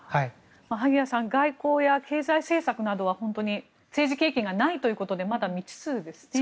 萩谷さん外交や経済政策などは政治経験がないということでまだ未知数ですね。